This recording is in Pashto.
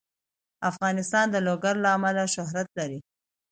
افغانستان د لوگر له امله شهرت لري.